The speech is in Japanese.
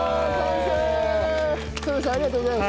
染谷さんありがとうございます。